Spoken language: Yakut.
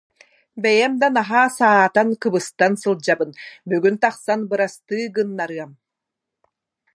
Бэйэм да наһаа саатан, кыбыстан сылдьабын, бүгүн тахсан бырастыы гыннарыам